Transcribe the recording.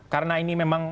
karena ini memang